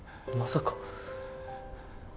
まさか？